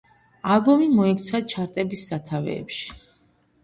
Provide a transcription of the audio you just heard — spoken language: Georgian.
ალბომი მოექცა ჩარტების სათავეებში.